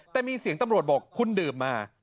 แต่มีเสียงตำรวจบอกคุณดื่มมา